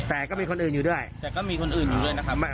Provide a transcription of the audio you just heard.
แต่ก็มีคนอื่นอยู่ด้วยแต่ก็มีคนอื่นอยู่ด้วยนะครับ